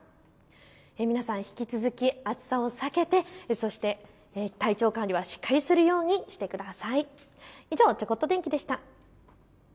皆さん、引き続き暑さを避けて、そして体調管理はしっかりするようにしてください。以上ちょこっと天気でした。